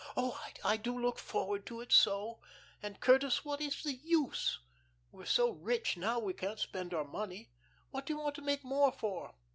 Oh, I do look forward to it so! And, Curtis, what is the use? We're so rich now we can't spend our money. What do you want to make more for?"